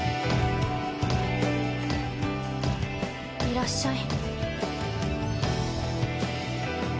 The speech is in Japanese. ・いらっしゃい。